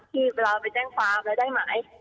ที่เวลาไปแจ้งความได้ไหม